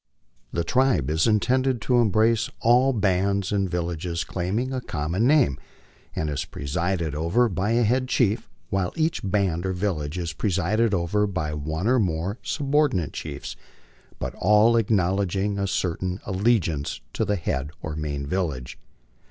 The tribe is intended to embrace all bands and villages claiming a common name, and is presided over by a head chief, while each baud or village is presided over by one or more subordinate chiefs, but all acknowledging a certain allegiance to the head or main village.